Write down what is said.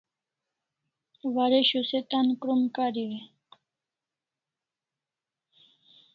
Waresho se tan krom kariu e?